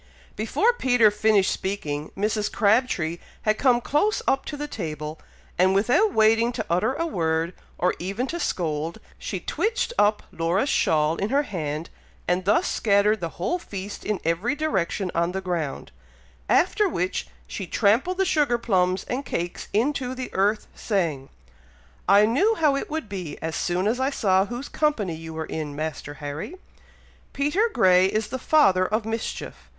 Before Peter finished speaking, Mrs. Crabtree had come close up to the table, and without waiting to utter a word, or even to scold, she twitched up Laura's shawl in her hand, and thus scattered the whole feast in every direction on the ground, after which she trampled the sugar plums and cakes into the earth, saying, "I knew how it would be, as soon as I saw whose company you were in, Master Harry! Peter Grey is the father of mischief!